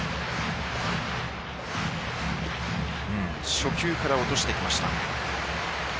初球から落としてきました。